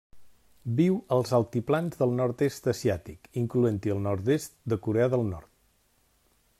Viu als altiplans del nord-est asiàtic, incloent-hi el nord-est de Corea del Nord.